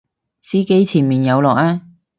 司機前面有落啊！